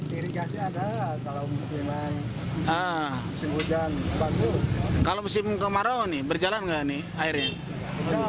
irigasi ada kalau musim hujan kalau musim kemarau berjalan nggak airnya